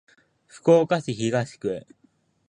福岡市東区